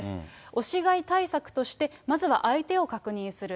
押し買い対策として、まずは相手を確認する。